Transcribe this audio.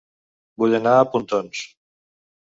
Vull anar a Pontons